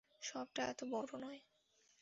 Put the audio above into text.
শপটা এত বড় নয়!